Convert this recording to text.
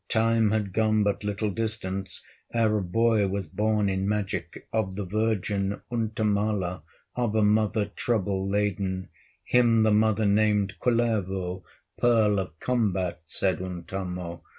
Time had gone but little distance, Ere a boy was born in magic Of the virgin, Untamala, Of a mother, trouble laden, Him the mother named Kullervo, "Pearl of Combat," said Untamo.